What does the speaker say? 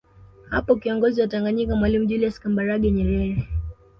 Hapo kiongozi wa Tanganyika Mwalimu Julius Kambarage Nyerere